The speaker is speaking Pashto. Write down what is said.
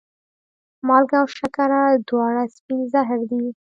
مالګه او شکره دواړه سپین زهر دي.